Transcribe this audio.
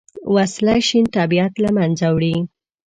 وسله شین طبیعت له منځه وړي